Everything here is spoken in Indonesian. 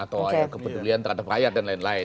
atau kepedulian terhadap rakyat dan lain lain